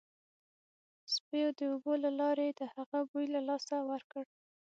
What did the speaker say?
سپیو د اوبو له لارې د هغه بوی له لاسه ورکړ